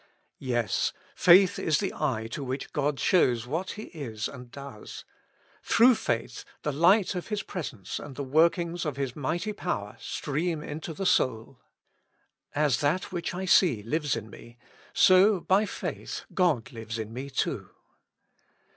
Yes, faith is the eye to which God shows what He is and does ; through faith the light of His presence and the workings of His mighty power stream into the soul. As that which I see lives in me, so by faith God lives in me, too.